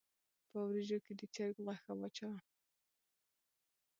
په وريژو کښې د چرګ غوښه واچوه